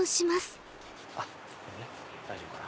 大丈夫かな？